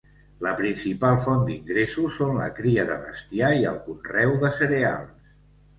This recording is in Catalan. La principal font d’ingressos són la cria de bestiar i el conreu de cereals.